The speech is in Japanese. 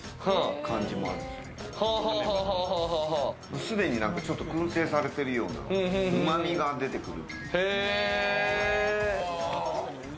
すでにちょっと薫製されているようなうま味が出てくる。